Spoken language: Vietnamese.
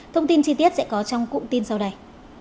thông tin chi tiết sẽ có trong cụm tin sau đây